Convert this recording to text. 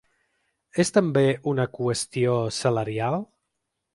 És, també, una qüestió salarial?